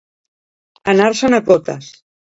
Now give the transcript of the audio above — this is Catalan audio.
Anar-se'n a Cotes.